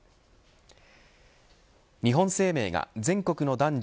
日本生命が全国の男女